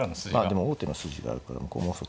でも王手の筋があるから向こうもそっか。